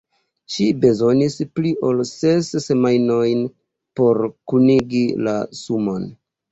Ŝi bezonis pli ol ses semajnojn por kunigi la sumon.